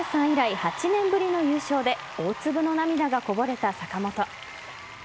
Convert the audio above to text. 以来８年ぶりの優勝で大粒の涙がこぼれた坂本。